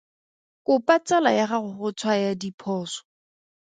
Kopa tsala ya gago go tshwaya diphoso.